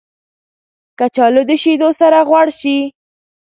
کچالو د شیدو سره غوړ شي